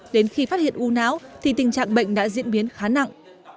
đến khi phát hiện u não thì tình trạng bệnh đã diễn biến khá nặng